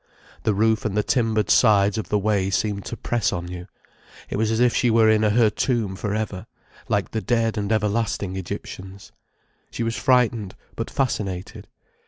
The roof and the timbered sides of the way seemed to press on you. It was as if she were in her tomb for ever, like the dead and everlasting Egyptians. She was frightened, but fascinated.